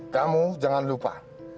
kamu jangan lupa